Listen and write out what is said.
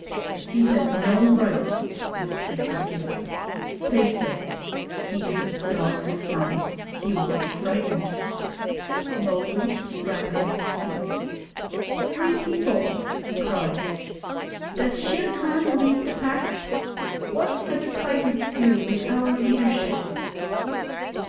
'He has no right,' whispered Bagheera. 'Say so. He is a dog's son. He will be frightened.' Mowgli sprang to his feet. 'Free People,' he cried, does Shere Khan lead the Pack? What has a tiger to do with our leadership?'